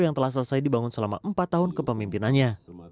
yang telah selesai dibangun selama empat tahun ke pemimpinannya